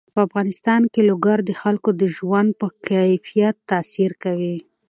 په افغانستان کې لوگر د خلکو د ژوند په کیفیت تاثیر کوي.